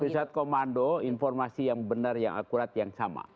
pusat komando informasi yang benar yang akurat yang sama